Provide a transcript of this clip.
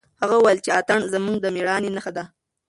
هغه وویل چې اتڼ زموږ د مېړانې نښه ده.